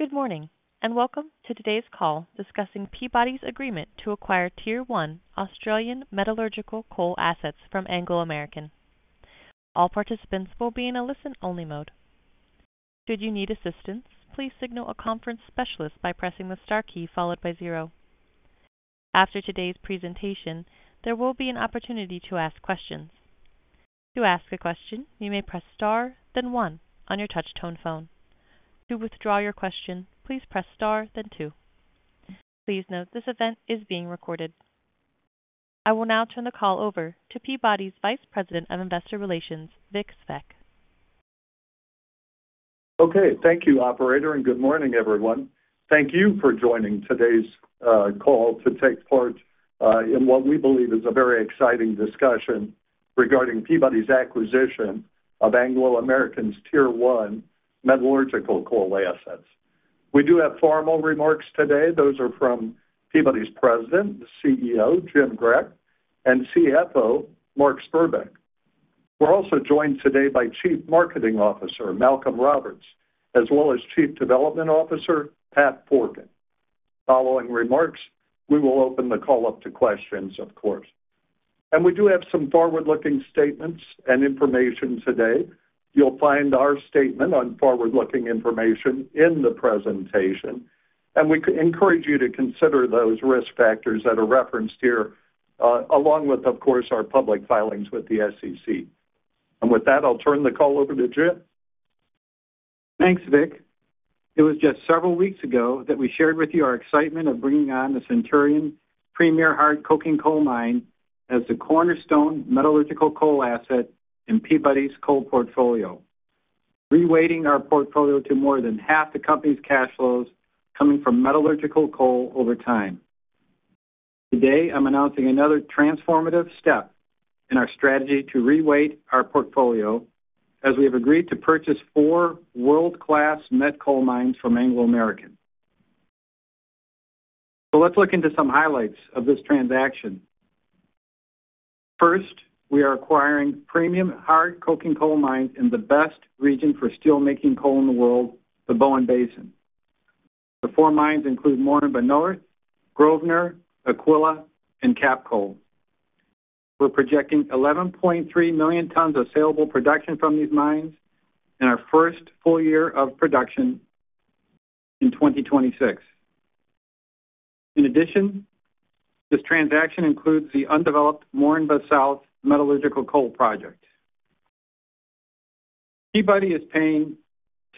Good morning, and welcome to today's call discussing Peabody's agreement to acquire Tier 1 Australian metallurgical coal assets from Anglo American. All participants will be in a listen-only mode. Should you need assistance, please signal a conference specialist by pressing the star key followed by zero. After today's presentation, there will be an opportunity to ask questions. To ask a question, you may press star, then one on your touch-tone phone. To withdraw your question, please press star, then two. Please note this event is being recorded. I will now turn the call over to Peabody's Vice President of Investor Relations, Vic Svec. Okay. Thank you, Operator, and good morning, everyone. Thank you for joining today's call to take part in what we believe is a very exciting discussion regarding Peabody's acquisition of Anglo American's Tier 1 metallurgical coal assets. We do have formal remarks today. Those are from Peabody's President, the CEO, Jim Grech, and CFO, Mark Spurbeck. We're also joined today by Chief Marketing Officer, Malcolm Roberts, as well as Chief Development Officer, Pat Forkin. Following remarks, we will open the call up to questions, of course. And we do have some forward-looking statements and information today. You'll find our statement on forward-looking information in the presentation, and we encourage you to consider those risk factors that are referenced here, along with, of course, our public filings with the SEC. And with that, I'll turn the call over to Jim. Thanks, Vic. It was just several weeks ago that we shared with you our excitement of bringing on the Centurion premium hard coking coal mine as the cornerstone metallurgical coal asset in Peabody's coal portfolio, reweighting our portfolio to more than half the company's cash flows coming from metallurgical coal over time. Today, I'm announcing another transformative step in our strategy to reweight our portfolio as we have agreed to purchase four world-class met coal mines from Anglo American, so let's look into some highlights of this transaction. First, we are acquiring premium hard coking coal mines in the best region for steelmaking coal in the world, the Bowen Basin. The four mines include Moranbah North, Grosvenor, Aquila, and Capcoal. We're projecting 11.3 million tons of saleable production from these mines in our first full year of production in 2026. In addition, this transaction includes the undeveloped Moranbah South metallurgical coal project. Peabody is paying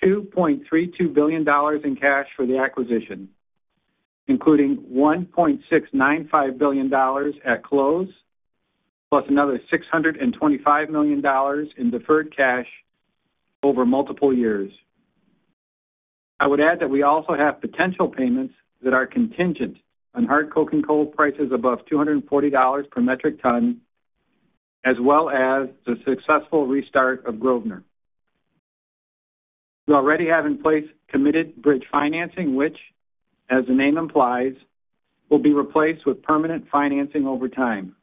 $2.32 billion in cash for the acquisition, including $1.695 billion at close, plus another $625 million in deferred cash over multiple years. I would add that we also have potential payments that are contingent on hard coking coal prices above $240 per metric ton, as well as the successful restart of Grosvenor. We already have in place committed bridge financing, which, as the name implies, will be replaced with permanent financing over time.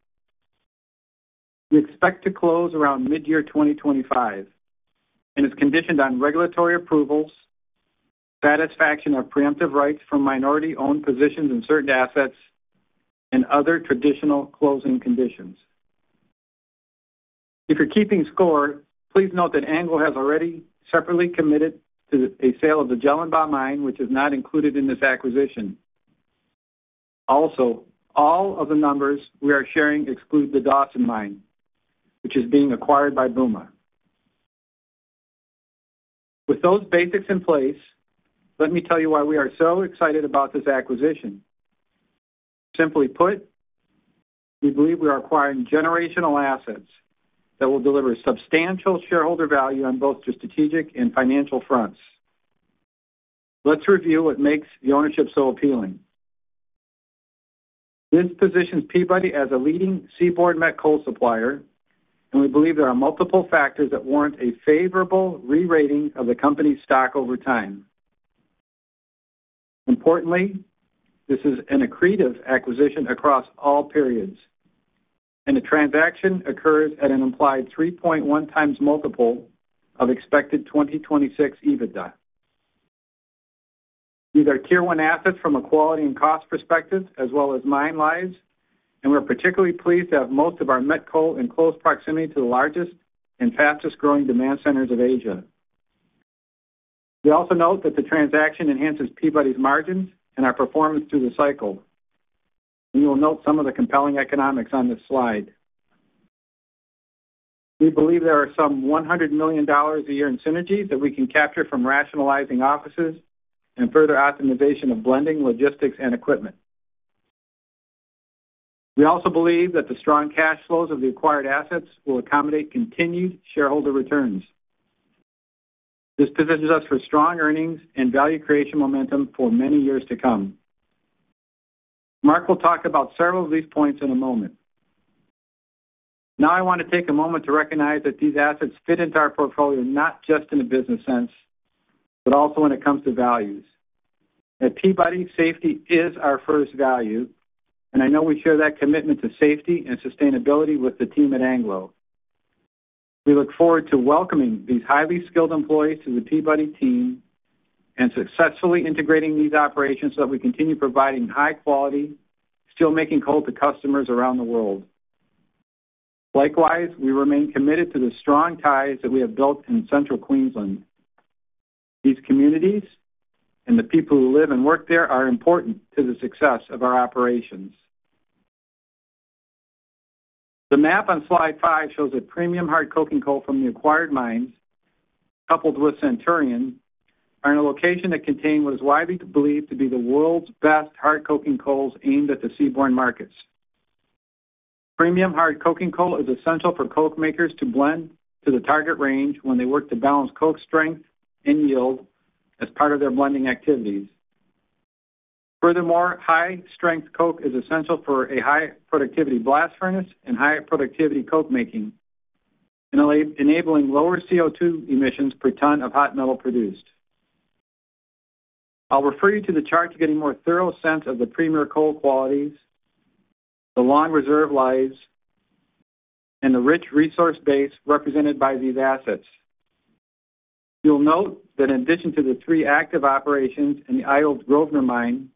We expect to close around mid-year 2025 and is conditioned on regulatory approvals, satisfaction of preemptive rights from minority-owned positions in certain assets, and other traditional closing conditions. If you're keeping score, please note that Anglo has already separately committed to a sale of the Jellinbah mine, which is not included in this acquisition. Also, all of the numbers we are sharing exclude the Dawson mine, which is being acquired by BUMA. With those basics in place, let me tell you why we are so excited about this acquisition. Simply put, we believe we are acquiring generational assets that will deliver substantial shareholder value on both strategic and financial fronts. Let's review what makes the ownership so appealing. This positions Peabody as a leading seaborne met coal supplier, and we believe there are multiple factors that warrant a favorable re-rating of the company's stock over time. Importantly, this is an accretive acquisition across all periods, and the transaction occurs at an implied 3.1 times multiple of expected 2026 EBITDA. These are tier-one assets from a quality and cost perspective as well as mine lives, and we're particularly pleased to have most of our met coal in close proximity to the largest and fastest-growing demand centers of Asia. We also note that the transaction enhances Peabody's margins and our performance through the cycle, and you will note some of the compelling economics on this slide. We believe there are some $100 million a year in synergies that we can capture from rationalizing offices and further optimization of blending logistics and equipment. We also believe that the strong cash flows of the acquired assets will accommodate continued shareholder returns. This positions us for strong earnings and value creation momentum for many years to come. Mark will talk about several of these points in a moment. Now, I want to take a moment to recognize that these assets fit into our portfolio not just in a business sense, but also when it comes to values. At Peabody, safety is our first value, and I know we share that commitment to safety and sustainability with the team at Anglo. We look forward to welcoming these highly skilled employees to the Peabody team and successfully integrating these operations so that we continue providing high-quality steelmaking coal to customers around the world. Likewise, we remain committed to the strong ties that we have built in Central Queensland. These communities and the people who live and work there are important to the success of our operations. The map on slide five shows that premium hard coking coal from the acquired mines, coupled with Centurion, are in a location that contain what is widely believed to be the world's best hard coking coals aimed at the seaborne markets. Premium hard coking coal is essential for coke makers to blend to the target range when they work to balance coke strength and yield as part of their blending activities. Furthermore, high-strength coke is essential for a high-productivity blast furnace and high-productivity coke making, enabling lower CO2 emissions per ton of hot metal produced. I'll refer you to the chart to get a more thorough sense of the premier coal qualities, the long reserve lives, and the rich resource base represented by these assets. You'll note that in addition to the three active operations including the Grosvenor mine,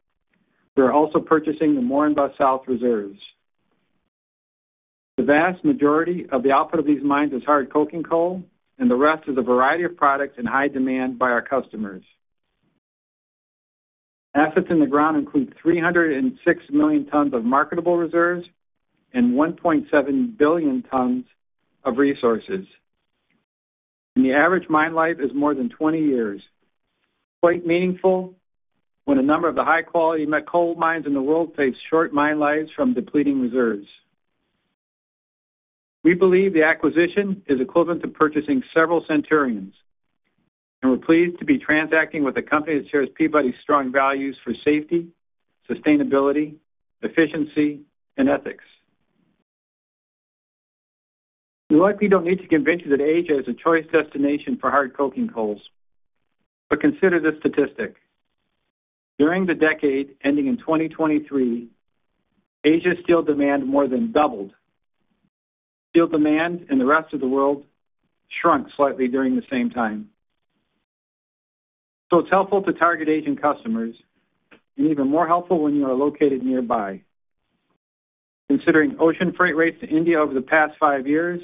we are also purchasing the Moranbah South reserves. The vast majority of the output of these mines is hard coking coal, and the rest is a variety of products in high demand by our customers. Assets in the ground include 306 million tons of marketable reserves and 1.7 billion tons of resources. And the average mine life is more than 20 years, quite meaningful when a number of the high-quality met coal mines in the world face short mine lives from depleting reserves. We believe the acquisition is equivalent to purchasing several Centurions, and we're pleased to be transacting with a company that shares Peabody's strong values for safety, sustainability, efficiency, and ethics. You likely don't need to convince you that Asia is a choice destination for hard coking coals, but consider this statistic. During the decade ending in 2023, Asia's steel demand more than doubled. Steel demand in the rest of the world shrunk slightly during the same time. So it's helpful to target Asian customers and even more helpful when you are located nearby. Considering ocean freight rates to India over the past five years,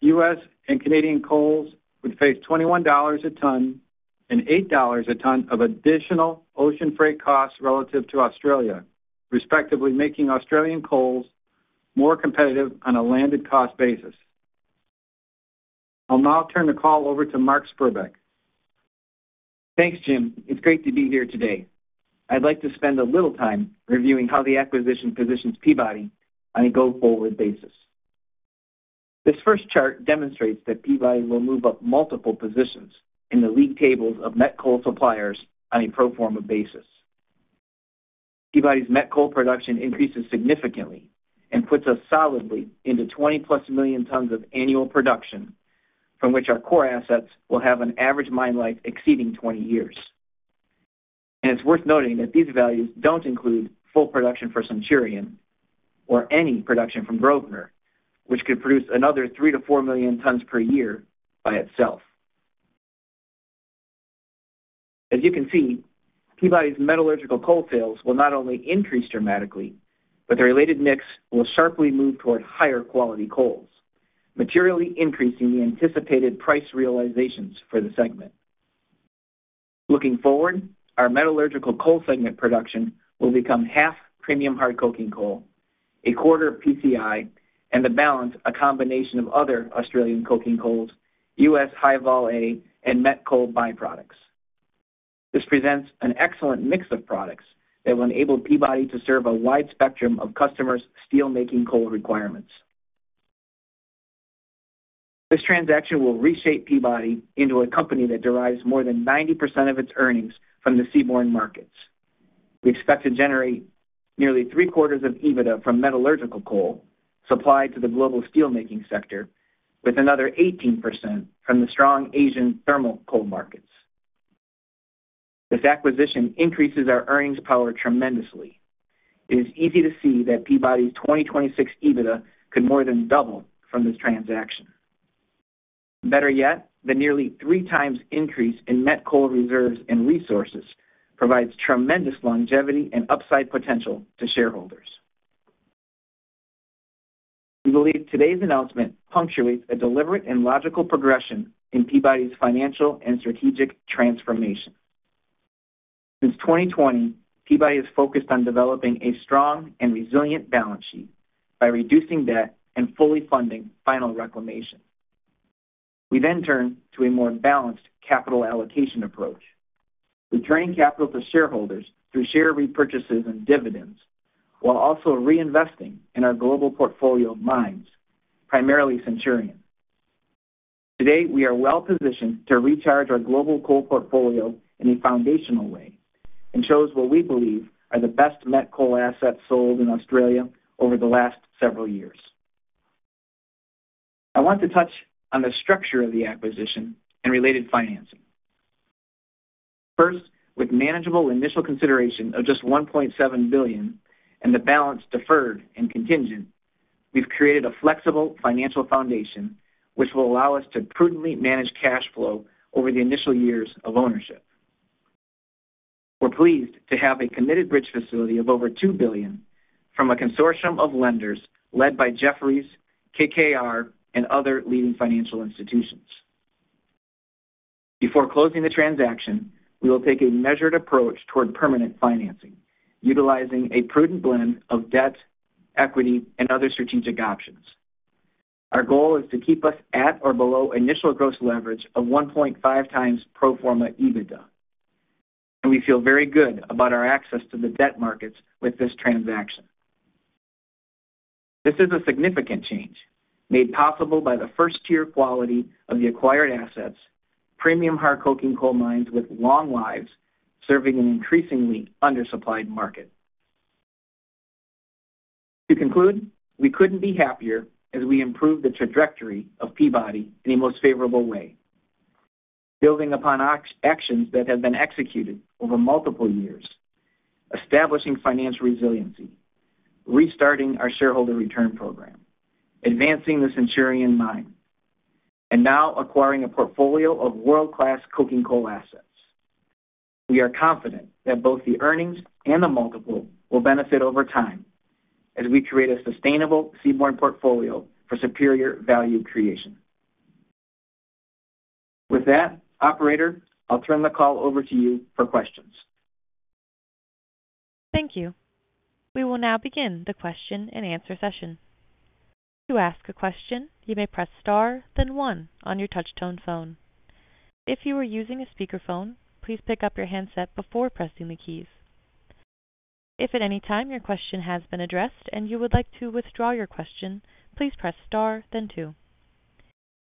U.S. and Canadian coals would face $21 a ton and $8 a ton of additional ocean freight costs relative to Australia, respectively, making Australian coals more competitive on a landed cost basis. I'll now turn the call over to Mark Spurbeck. Thanks, Jim. It's great to be here today. I'd like to spend a little time reviewing how the acquisition positions Peabody on a go-forward basis. This first chart demonstrates that Peabody will move up multiple positions in the league tables of met coal suppliers on a pro forma basis. Peabody's met coal production increases significantly and puts us solidly into 20+ million tons of annual production, from which our core assets will have an average mine life exceeding 20 years, and it's worth noting that these values don't include full production for Centurion or any production from Grosvenor, which could produce another 3-4 million tons per year by itself. As you can see, Peabody's metallurgical coal sales will not only increase dramatically, but the related mix will sharply move toward higher quality coals, materially increasing the anticipated price realizations for the segment. Looking forward, our metallurgical coal segment production will become half premium hard coking coal, a quarter PCI, and the balance a combination of other Australian coking coals, U.S. High-Vol A, and met coal byproducts. This presents an excellent mix of products that will enable Peabody to serve a wide spectrum of customers' steelmaking coal requirements. This transaction will reshape Peabody into a company that derives more than 90% of its earnings from the seaborne markets. We expect to generate nearly three-quarters of EBITDA from metallurgical coal supplied to the global steelmaking sector, with another 18% from the strong Asian thermal coal markets. This acquisition increases our earnings power tremendously. It is easy to see that Peabody's 2026 EBITDA could more than double from this transaction. Better yet, the nearly three-times increase in met coal reserves and resources provides tremendous longevity and upside potential to shareholders. We believe today's announcement punctuates a deliberate and logical progression in Peabody's financial and strategic transformation. Since 2020, Peabody has focused on developing a strong and resilient balance sheet by reducing debt and fully funding final reclamation. We then turn to a more balanced capital allocation approach, returning capital to shareholders through share repurchases and dividends, while also reinvesting in our global portfolio of mines, primarily Centurion. Today, we are well-positioned to recharge our global coal portfolio in a foundational way and chose what we believe are the best met coal assets sold in Australia over the last several years. I want to touch on the structure of the acquisition and related financing. First, with manageable initial consideration of just $1.7 billion and the balance deferred and contingent, we've created a flexible financial foundation, which will allow us to prudently manage cash flow over the initial years of ownership. We're pleased to have a committed bridge facility of over $2 billion from a consortium of lenders led by Jefferies, KKR, and other leading financial institutions. Before closing the transaction, we will take a measured approach toward permanent financing, utilizing a prudent blend of debt, equity, and other strategic options. Our goal is to keep us at or below initial gross leverage of 1.5 times pro forma EBITDA, and we feel very good about our access to the debt markets with this transaction. This is a significant change made possible by the first-tier quality of the acquired assets, premium hard coking coal mines with long lives serving an increasingly undersupplied market. To conclude, we couldn't be happier as we improve the trajectory of Peabody in a most favorable way, building upon actions that have been executed over multiple years, establishing financial resiliency, restarting our shareholder return program, advancing the Centurion mine, and now acquiring a portfolio of world-class coking coal assets. We are confident that both the earnings and the multiple will benefit over time as we create a sustainable seaborne portfolio for superior value creation. With that, Operator, I'll turn the call over to you for questions. Thank you. We will now begin the question and answer session. To ask a question, you may press star, then one on your touch-tone phone. If you are using a speakerphone, please pick up your handset before pressing the keys. If at any time your question has been addressed and you would like to withdraw your question, please press star, then two.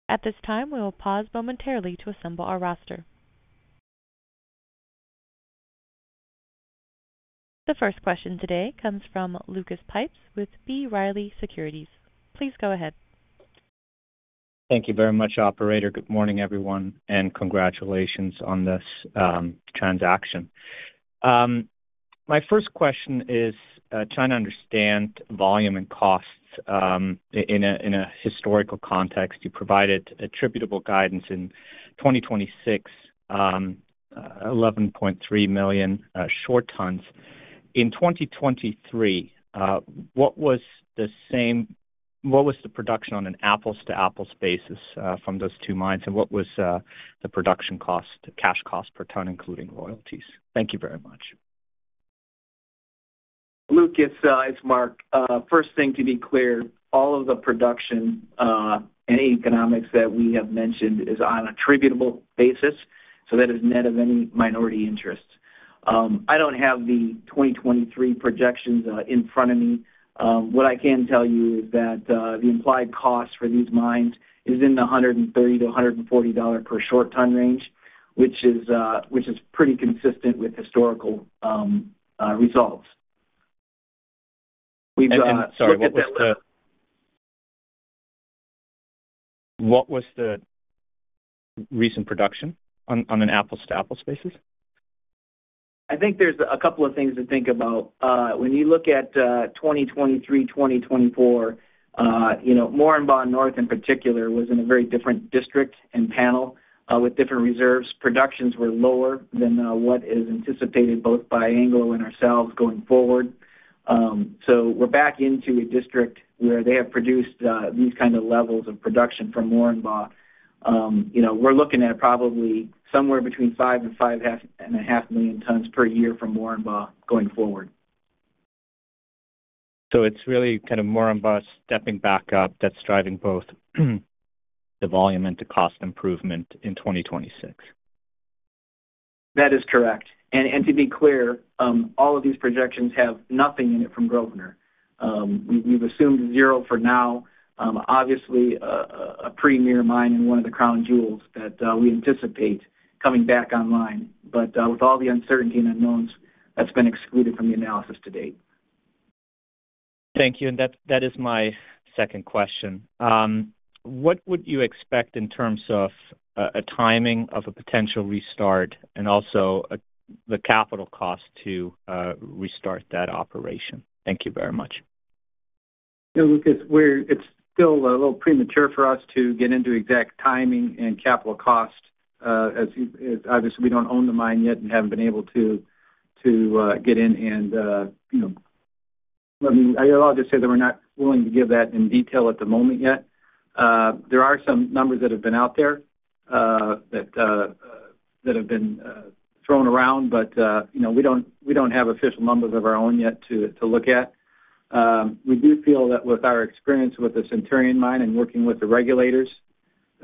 At this time, we will pause momentarily to assemble our roster. The first question today comes from Lucas Pipes with B. Riley Securities. Please go ahead. Thank you very much, Operator. Good morning, everyone, and congratulations on this transaction. My first question is trying to understand volume and costs in a historical context. You provided attributable guidance in 2026, 11.3 million short tons. In 2023, what was the same? What was the production on an apples-to-apples basis from those two mines, and what was the production cost, cash cost per ton, including royalties? Thank you very much. Lucas, it's Mark. First thing to be clear, all of the production and economics that we have mentioned is on an attributable basis, so that is net of any minority interests. I don't have the 2023 projections in front of me. What I can tell you is that the implied cost for these mines is in the $130-$140 per short ton range, which is pretty consistent with historical results. Sorry, what was the recent production on an apples-to-apples basis? I think there's a couple of things to think about. When you look at 2023, 2024, Moranbah North in particular was in a very different district and panel with different reserves. Productions were lower than what is anticipated both by Anglo and ourselves going forward. So we're back into a district where they have produced these kinds of levels of production from Moranbah. We're looking at probably somewhere between five and five and a half million tons per year from Moranbah going forward. So it's really kind of Moranbah stepping back up that's driving both the volume and the cost improvement in 2026. That is correct, and to be clear, all of these projections have nothing in it from Grosvenor. We've assumed zero for now, obviously a premier mine and one of the crown jewels that we anticipate coming back online, but with all the uncertainty and unknowns, that's been excluded from the analysis to date. Thank you. And that is my second question. What would you expect in terms of a timing of a potential restart and also the capital cost to restart that operation? Thank you very much. Yeah, Lucas, it's still a little premature for us to get into exact timing and capital cost as obviously we don't own the mine yet and haven't been able to get in and I'll just say that we're not willing to give that in detail at the moment yet. There are some numbers that have been out there that have been thrown around, but we don't have official numbers of our own yet to look at. We do feel that with our experience with the Centurion mine and working with the regulators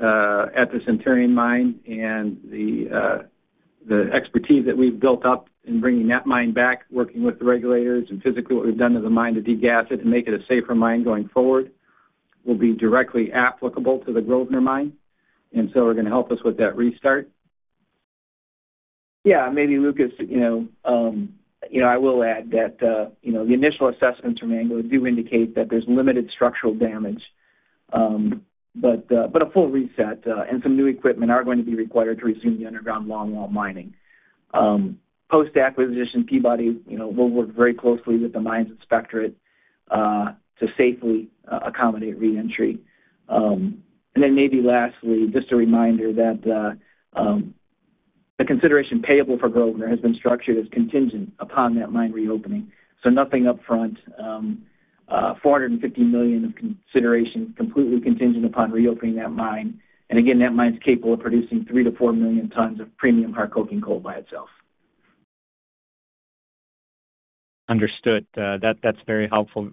at the Centurion mine and the expertise that we've built up in bringing that mine back, working with the regulators and physically what we've done to the mine to degas it and make it a safer mine going forward will be directly applicable to the Grosvenor mine. And so we're going to help us with that restart. Yeah, maybe Lucas, I will add that the initial assessments from Anglo do indicate that there's limited structural damage, but a full reset and some new equipment are going to be required to resume the underground longwall mining. Post-acquisition, Peabody will work very closely with the Mines Inspectorate to safely accommodate reentry. Then maybe lastly, just a reminder that the consideration payable for Grosvenor has been structured as contingent upon that mine reopening. So nothing upfront, $450 million of consideration completely contingent upon reopening that mine. And again, that mine is capable of producing three to four million tons of premium hard coking coal by itself. Understood. That's very helpful.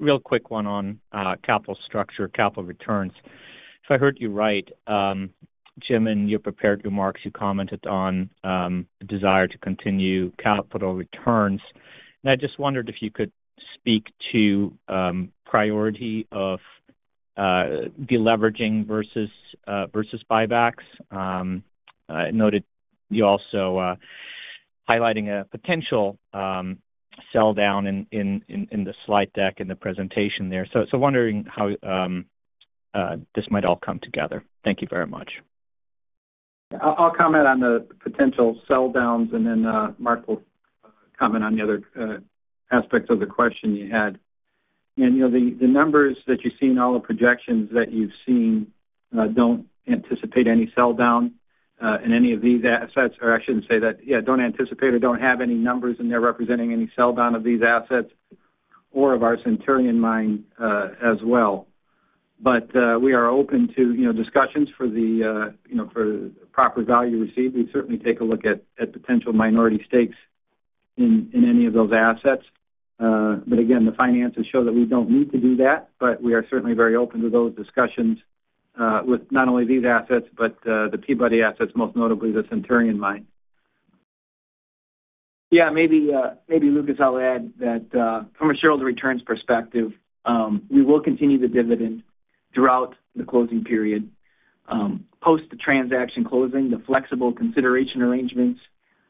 Real quick, one on capital structure, capital returns. If I heard you right, Jim and you prepared remarks, you commented on the desire to continue capital returns, and I just wondered if you could speak to priority of deleveraging versus buybacks. I noted you also highlighting a potential sell down in the slide deck in the presentation there, so wondering how this might all come together. Thank you very much. I'll comment on the potential sell downs and then Mark will comment on the other aspects of the question you had. And the numbers that you see in all the projections that you've seen don't anticipate any sell down in any of these assets. Or I shouldn't say that. Yeah, don't anticipate or don't have any numbers in there representing any sell down of these assets or of our Centurion mine as well. But we are open to discussions for the proper value received. We certainly take a look at potential minority stakes in any of those assets. But again, the finances show that we don't need to do that, but we are certainly very open to those discussions with not only these assets, but the Peabody assets, most notably the Centurion mine. Yeah, maybe Lucas, I'll add that from a shareholder returns perspective, we will continue the dividend throughout the closing period. Post-transaction closing, the flexible consideration arrangements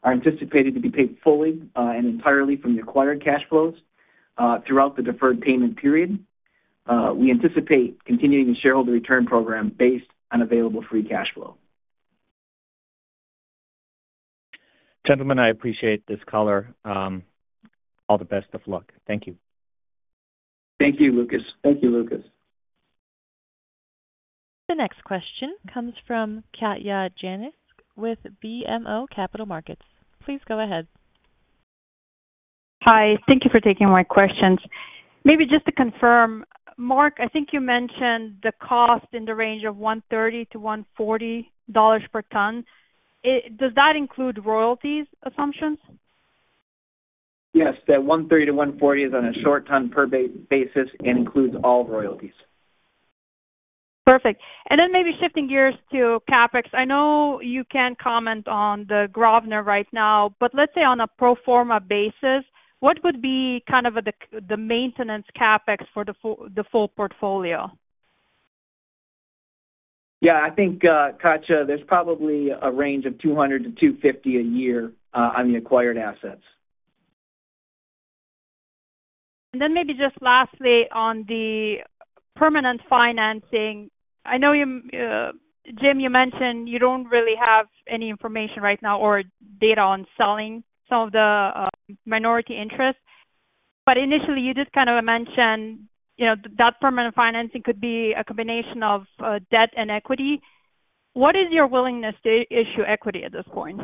are anticipated to be paid fully and entirely from the acquired cash flows throughout the deferred payment period. We anticipate continuing the shareholder return program based on available free cash flow. Gentlemen, I appreciate this caller. All the best of luck. Thank you. Thank you, Lucas. The next question comes from Katja Jancic with BMO Capital Markets. Please go ahead. Hi. Thank you for taking my questions. Maybe just to confirm, Mark, I think you mentioned the cost in the range of $130-$140 per ton. Does that include royalty assumptions? Yes, that $130-$140 is on a short ton basis and includes all royalties. Perfect. And then maybe shifting gears to CapEx. I know you can't comment on the Grosvenor right now, but let's say on a pro forma basis, what would be kind of the maintenance CapEx for the full portfolio? Yeah, I think, Katya, there's probably a range of 200-250 a year on the acquired assets. And then maybe just lastly on the permanent financing, I know Jim, you mentioned you don't really have any information right now or data on selling some of the minority interests. But initially, you did kind of mention that permanent financing could be a combination of debt and equity. What is your willingness to issue equity at this point?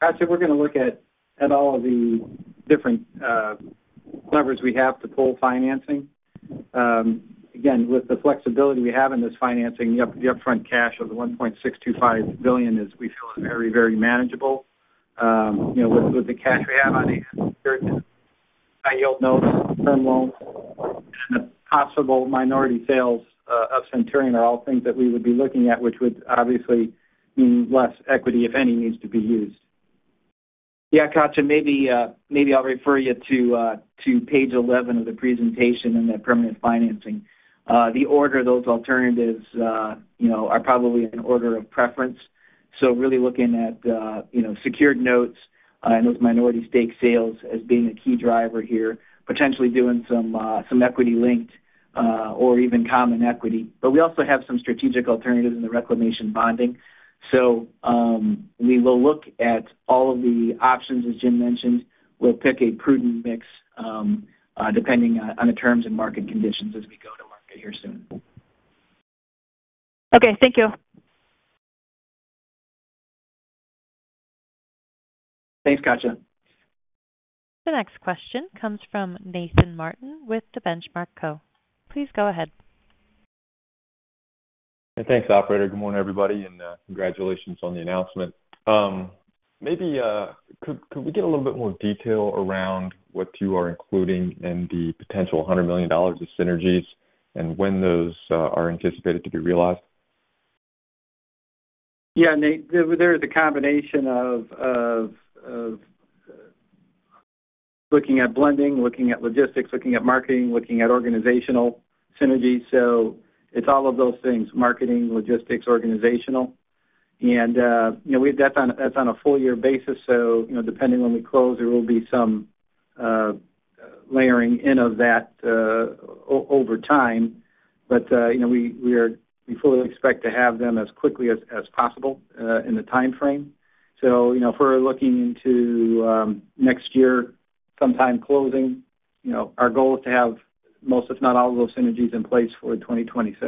Katya, we're going to look at all of the different levers we have to pull financing. Again, with the flexibility we have in this financing, the upfront cash of the $1.625 billion we feel is very, very manageable. With the cash we have on hand, certain high-yield notes, term loans, and the possible minority sales of Centurion are all things that we would be looking at, which would obviously mean less equity, if any, needs to be used. Yeah, Katya, maybe I'll refer you to page 11 of the presentation in that permanent financing. The order of those alternatives are probably an order of preference. So really looking at secured notes and those minority stake sales as being a key driver here, potentially doing some equity linked or even common equity. But we also have some strategic alternatives in the reclamation bonding. So we will look at all of the options, as Jim mentioned. We'll pick a prudent mix depending on the terms and market conditions as we go to market here soon. Okay. Thank you. Thanks, Katya. The next question comes from Nathan Martin with the Benchmark Co. Please go ahead. Thanks, Operator. Good morning, everybody, and congratulations on the announcement. Maybe could we get a little bit more detail around what you are including in the potential $100 million of synergies and when those are anticipated to be realized? Yeah, there is a combination of looking at blending, looking at logistics, looking at marketing, looking at organizational synergies. So it's all of those things: marketing, logistics, organizational. And that's on a full-year basis. So depending on when we close, there will be some layering in of that over time. But we fully expect to have them as quickly as possible in the time frame. So if we're looking into next year sometime closing, our goal is to have most, if not all, of those synergies in place for 2026.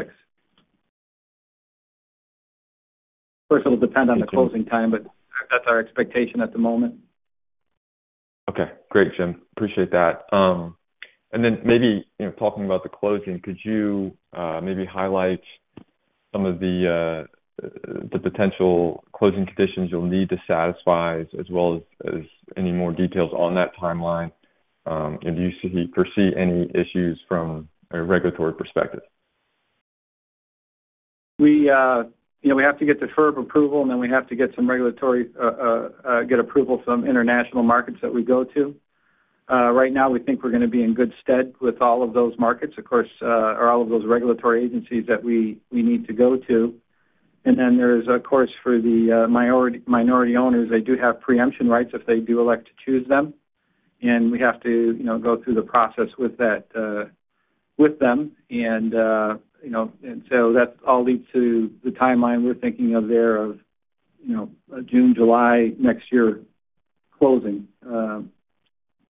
Of course, it'll depend on the closing time, but that's our expectation at the moment. Okay. Great, Jim. Appreciate that. And then maybe talking about the closing, could you maybe highlight some of the potential closing conditions you'll need to satisfy as well as any more details on that timeline? Do you foresee any issues from a regulatory perspective? We have to get the FIRB approval, and then we have to get some regulatory approval from international markets that we go to. Right now, we think we're going to be in good stead with all of those markets, of course, or all of those regulatory agencies that we need to go to. And then there is, of course, for the minority owners, they do have preemptive rights if they do elect to choose them. And we have to go through the process with them. And so that all leads to the timeline we're thinking of there of June, July next year closing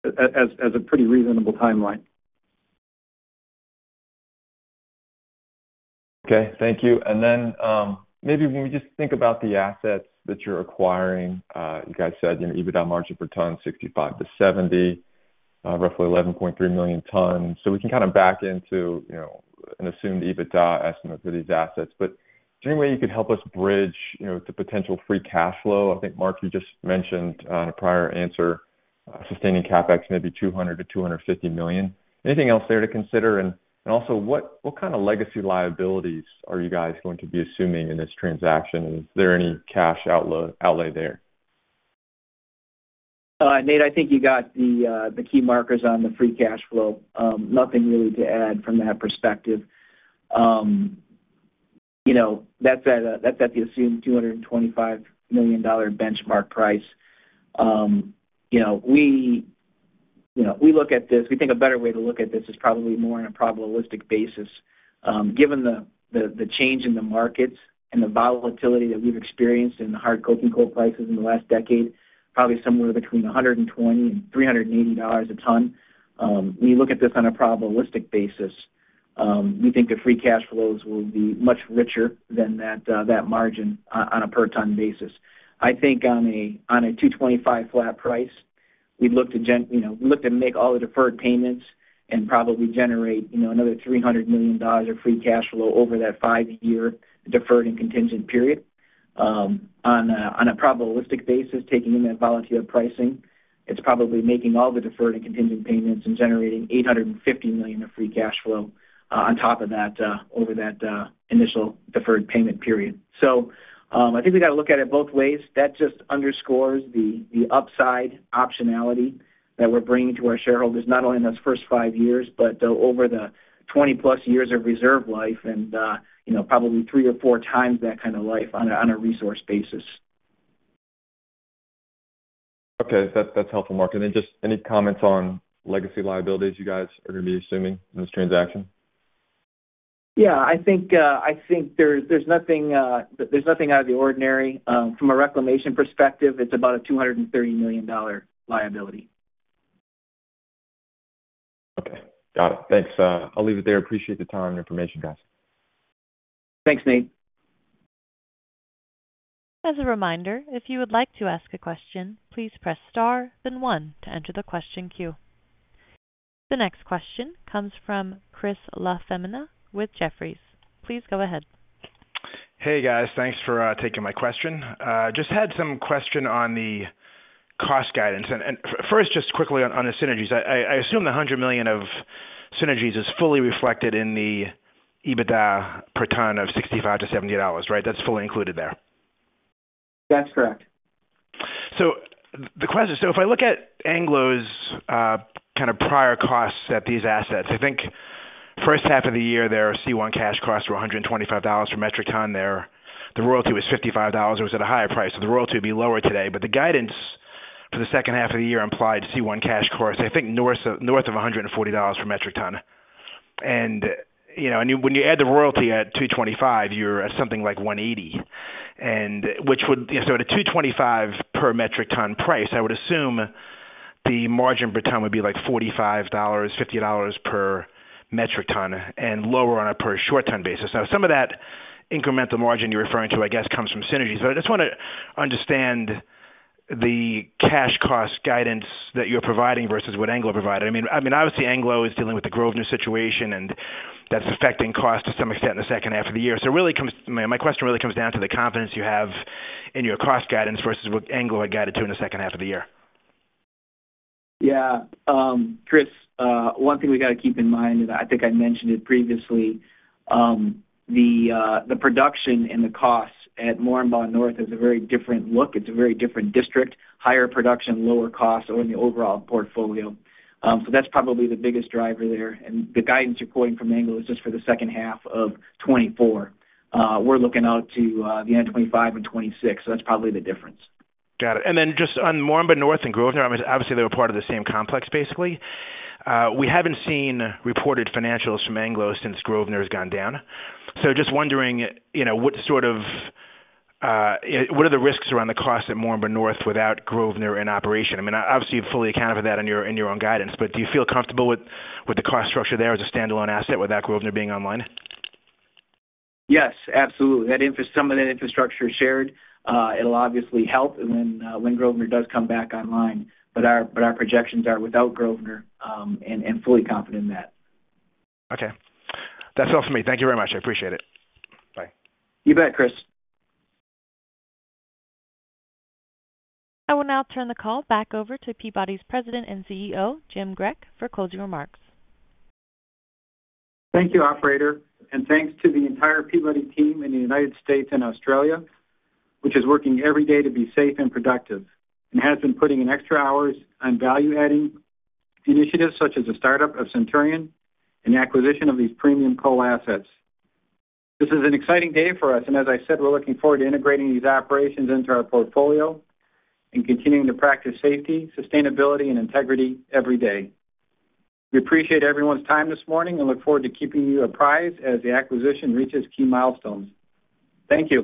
as a pretty reasonable timeline. Okay. Thank you. And then maybe when we just think about the assets that you're acquiring, you guys said EBITDA margin per ton $65-$70, roughly 11.3 million tons. So we can kind of back into an assumed EBITDA estimate for these assets. But is there any way you could help us bridge the potential free cash flow? I think, Mark, you just mentioned in a prior answer sustaining CapEx maybe $200 million-$250 million. Anything else there to consider? And also, what kind of legacy liabilities are you guys going to be assuming in this transaction? Is there any cash outlay there? Nate, I think you got the key markers on the free cash flow. Nothing really to add from that perspective. That's at the assumed $225 million benchmark price. We look at this. We think a better way to look at this is probably more on a probabilistic basis. Given the change in the markets and the volatility that we've experienced in the hard coking coal prices in the last decade, probably somewhere between $120 and $380 a ton, we look at this on a probabilistic basis. We think the free cash flows will be much richer than that margin on a per ton basis. I think on a $225 flat price, we'd look to make all the deferred payments and probably generate another $300 million of free cash flow over that five-year deferred and contingent period. On a probabilistic basis, taking in that volatile pricing, it's probably making all the deferred and contingent payments and generating $850 million of free cash flow on top of that over that initial deferred payment period, so I think we got to look at it both ways. That just underscores the upside optionality that we're bringing to our shareholders, not only in those first five years, but over the 20+ years of reserve life and probably three or four times that kind of life on a resource basis. Okay. That's helpful, Mark, and then just any comments on legacy liabilities you guys are going to be assuming in this transaction? Yeah. I think there's nothing out of the ordinary. From a reclamation perspective, it's about a $230 million liability. Okay. Got it. Thanks. I'll leave it there. Appreciate the time and information, guys. Thanks, Nate. As a reminder, if you would like to ask a question, please press star, then one to enter the question queue. The next question comes from Chris La Femina with Jefferies. Please go ahead. Hey, guys. Thanks for taking my question. Just had some question on the cost guidance. And first, just quickly on the synergies. I assume the 100 million of synergies is fully reflected in the EBITDA per ton of $65-$70, right? That's fully included there? That's correct. So if I look at Anglo's kind of prior costs at these assets, I think first half of the year their C1 cash costs were $125 per metric ton. The royalty was $55. It was at a higher price. So the royalty would be lower today. But the guidance for the second half of the year implied C1 cash costs, I think, north of $140 per metric ton. And when you add the royalty at $225, you're at something like $180. And so at a $225 per metric ton price, I would assume the margin per ton would be like $45, $50 per metric ton and lower on a per short ton basis. Now, some of that incremental margin you're referring to, I guess, comes from synergies. But I just want to understand the cash cost guidance that you're providing versus what Anglo provided. I mean, obviously, Anglo is dealing with the Grosvenor situation, and that's affecting costs to some extent in the second half of the year. So my question really comes down to the confidence you have in your cost guidance versus what Anglo had guided to in the second half of the year. Yeah. Chris, one thing we got to keep in mind, and I think I mentioned it previously, the production and the costs at Moranbah North is a very different look. It's a very different district. Higher production, lower costs on the overall portfolio. So that's probably the biggest driver there. And the guidance you're quoting from Anglo is just for the second half of 2024. We're looking out to the end of 2025 and 2026. So that's probably the difference. Got it. And then just on Moranbah North and Grosvenor, obviously, they were part of the same complex, basically. We haven't seen reported financials from Anglo since Grosvenor has gone down. So just wondering what sort of risks are the risks around the costs at Moranbah North without Grosvenor in operation? I mean, obviously, you're fully accounted for that in your own guidance, but do you feel comfortable with the cost structure there as a standalone asset without Grosvenor being online? Yes, absolutely. Some of that infrastructure is shared. It'll obviously help when Grosvenor does come back online. But our projections are without Grosvenor and fully confident in that. Okay. That's all from me. Thank you very much. I appreciate it. Bye. You bet, Chris. I will now turn the call back over to Peabody's President and CEO, Jim Grech, for closing remarks. Thank you, Operator. And thanks to the entire Peabody team in the United States and Australia, which is working every day to be safe and productive and has been putting in extra hours on value-adding initiatives such as the startup of Centurion and the acquisition of these premium coal assets. This is an exciting day for us. And as I said, we're looking forward to integrating these operations into our portfolio and continuing to practice safety, sustainability, and integrity every day. We appreciate everyone's time this morning and look forward to keeping you apprised as the acquisition reaches key milestones. Thank you.